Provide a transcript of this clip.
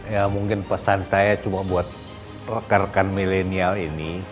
ya munggin pesan saya cuba buat rekan rekan millenial ini